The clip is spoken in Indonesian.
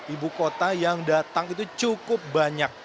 ibu kota yang datang itu cukup banyak